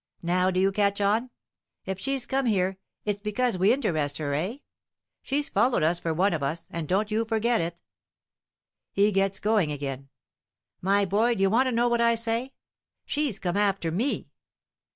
"Now, do you catch on? If she's come here, it's because we interest her, eh? She's followed us for one of us, and don't you forget it." He gets going again. "My boy, d'you want to know what I say? She's come after me."